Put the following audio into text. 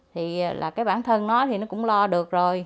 thì là cái bản thân nó thì nó cũng lo được rồi